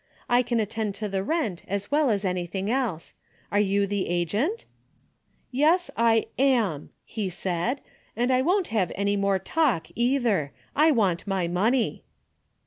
I can at tend to the rent as well as anything else. Are you the agent ?'" 'Yes, I am,' he said, ' and I won't have any more talk either. I want my money.